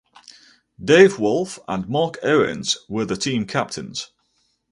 Dave Wolf and Mark Owens were the team captains.